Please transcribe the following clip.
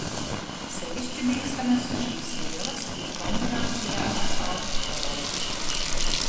Sevišķi bīstamas šīs vielas ir kombinācijā ar alkoholu.